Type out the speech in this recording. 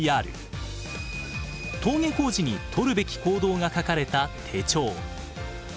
登下校時にとるべき行動が書かれた手帳。